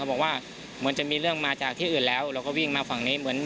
บอกว่าเหมือนจะมีเรื่องมาจากที่อื่นแล้วเราก็วิ่งมาฝั่งนี้เหมือน